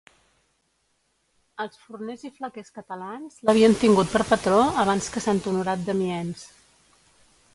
Els forners i flequers catalans l'havien tingut per patró abans que sant Honorat d'Amiens.